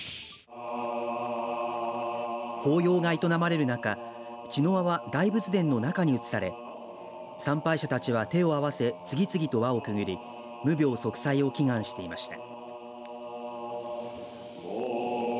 法要が営まれる中茅の輪は、大仏殿の中に移され参拝者たちは、手を合わせ次々と輪をくぐり無病息災を祈願していました。